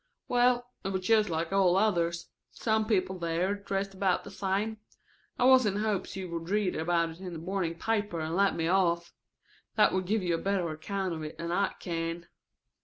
"Well, it was just like all others. Same people there, dressed about the same. I was in hopes you would read about it in the morning paper and let me off. That would give you a better account of it than I can."